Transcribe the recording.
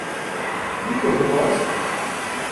কী করব, বস?